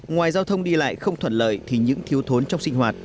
ngoài giao thông đi lại không thuận lợi thì những thiếu thốn trong sinh hoạt